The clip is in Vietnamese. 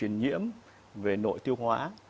về nhiễm về nội tiêu hóa